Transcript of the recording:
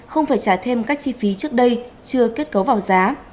không phải trả thêm các chi phí trước đây chưa kết cấu vào giá